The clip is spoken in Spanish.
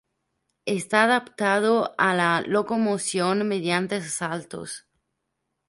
Está adaptado a la locomoción mediante saltos.